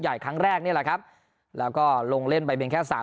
ครั้งแรกนี่แหละครับแล้วก็ลงเล่นไปเพียงแค่สาม